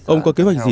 ông có kế hoạch gì